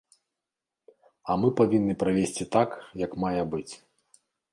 А мы павінны правесці так, як мае быць.